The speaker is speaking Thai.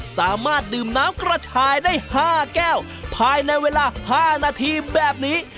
สามารถดื่มน้ำกระชายได้๕แก้วภายในเวลา๕นาทีแบบนี้